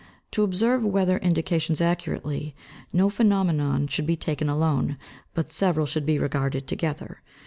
To observe weather indications accurately, no phenomenon should be taken alone, but several should be regarded together.